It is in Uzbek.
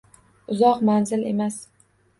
Uzoq manzil emas.